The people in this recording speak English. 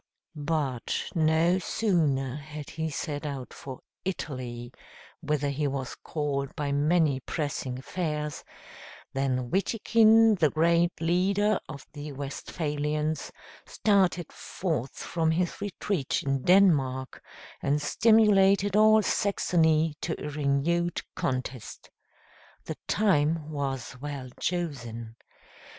But no sooner had he set out for Italy, whither he was called by many pressing affairs, than Witikind, the great leader of the Westphalians, started forth from his retreat in Denmark and stimulated all Saxony to a renewed contest. The time was well chosen.